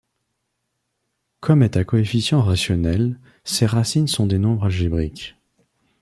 Comme est à coefficients rationnels, ses racines sont des nombres algébriques.